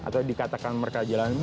atau dikatakan mereka jalan